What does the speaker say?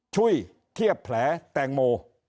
เทียบแผลแตงโม